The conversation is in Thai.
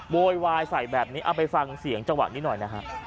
โวยวายใส่แบบนี้เอาไปฟังเสียงจังหวะนี้หน่อยนะฮะ